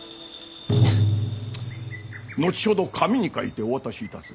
後ほど紙に書いてお渡しいたす。